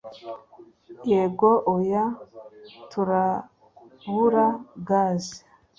Yego, oya! Turabura gaze.